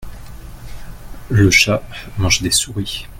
le chat mange des souris.